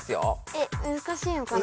えっむずかしいのかな。